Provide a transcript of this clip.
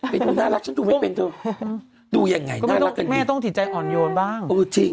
ไปดูให้เขาน่ารักฉันดูไม่เป็น